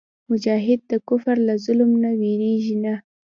مجاهد د کفر له ظلم نه وېرېږي نه.